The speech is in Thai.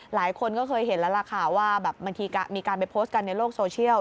หลายคนก็เคยเห็นแล้วล่ะค่ะว่าแบบบางทีมีการไปโพสต์กันในโลกโซเชียล